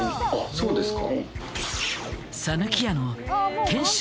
そうですか？